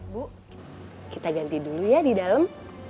bu kita ganti dulu ya di dalam